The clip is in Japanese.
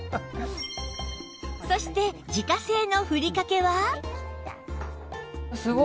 そして自家製のふりかけは？